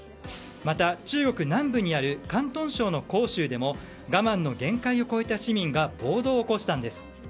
また中国南部にある広東州の広州でも我慢の限界を超えた市民が暴動を起こしたんです。